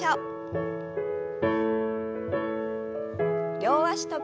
両脚跳び。